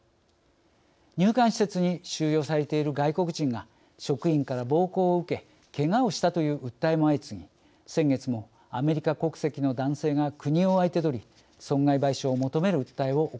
入管施設に収容されている外国人が職員から暴行を受けけがをしたという訴えも相次ぎ先月もアメリカ国籍の男性が国を相手取り損害賠償を求める訴えを起こしました。